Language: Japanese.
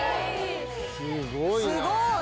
すごいな。